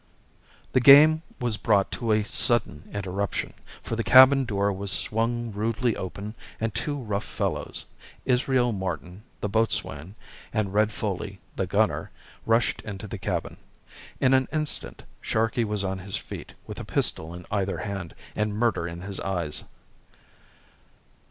The game was brought to a sudden interruption, for the cabin door was swung rudely open, and two rough fellows Israel Martin, the boatswain, and Red Foley, the gunner rushed into the cabin. In an instant Sharkey was on his feet with a pistol in either hand and murder in his eyes.